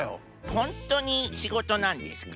ほんとにしごとなんですか？